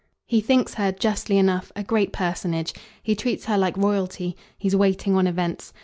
He thinks her, justly enough, a great personage; he treats her like royalty; he's waiting on events.